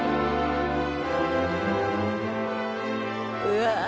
うわ！